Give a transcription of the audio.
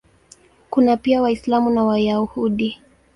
Kuna pia Waislamu na Wayahudi.